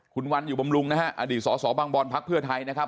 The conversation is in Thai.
คุณวันอยู่บำรุงนะฮะอดีตสบพไทยนะครับ